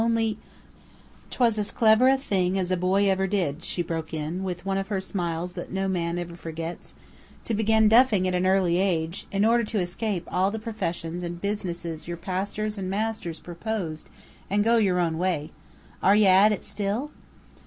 Only " "'Twas as clever a thing as a boy ever did," she broke in, with one of her smiles that no man ever forgets, "to begin duffing at an early age, in order to escape all the professions and businesses your pastors and masters proposed, and go your own way. Are ye at it still?"